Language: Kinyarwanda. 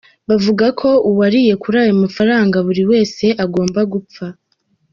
Bavuga ko uwariye kuri ayo mafaranga buri wese agomba gupfa.